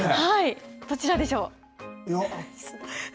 どちらでしょう。